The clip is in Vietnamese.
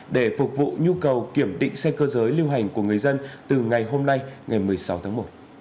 để phục vụ nhu cầu kiểm định xe cơ giới lưu hành của người dân từ ngày hôm nay ngày một mươi sáu tháng một